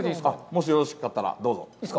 もしよろしかったら、どうぞ。